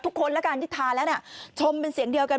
ทุกคนที่ทานแล้วชมเป็นเสียงเดียวกัน